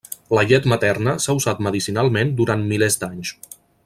La llet materna s'ha usat medicinalment durant milers d'anys.